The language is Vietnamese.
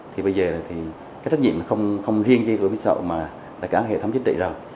thì bây giờ thì cái trách nhiệm không liên kỳ với mỹ sậu mà là cả hệ thống chính trị rồi